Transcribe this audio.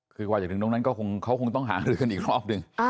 คือว่าอย่างนึงตรงนั้นเขาคงต้องหางลืมกันอีกรอบหนึ่ง